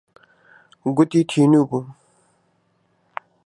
گوتی تینوو بووم.